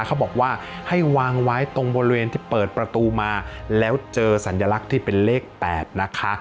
เขาบอกว่าให้วางไว้ตรงบริเวณที่เปิดประตูมาแล้วเจอสัญลักษณ์ที่เป็นเลข๘นะคะ